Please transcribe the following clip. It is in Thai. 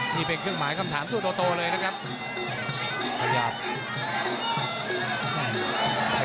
ต้องเบียดให้แคบเลยนะครับตอนนี้